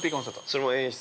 ◆それも演出？